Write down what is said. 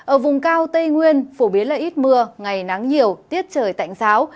ở vùng cao tây nguyên phổ biến là ít mưa ngày nắng nhiều tiết trời tạnh giáo